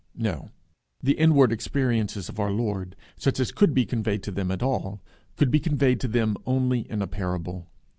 No. The inward experiences of our Lord, such as could be conveyed to them at all, could be conveyed to them only in a parable.